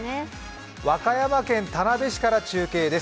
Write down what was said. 和歌山県田辺市から中継です。